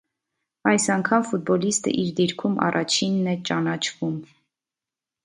Այս անգամ ֆուտբոլիստը իր դիրքում առաջինն է ճանաչվում։